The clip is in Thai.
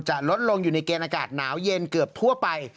ลดลงอยู่ในเกณฑ์อากาศหนาวเย็นเกือบทั่วไป